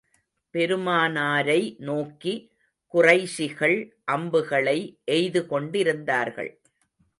பெருமனாரை நோக்கி, குறைஷிகள் அம்புகளை எய்து கொண்டிருந்தார்கள்.